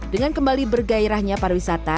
dengan kembali bergairahnya para wisata